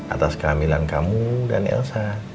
atas kehamilan kamu dan elsa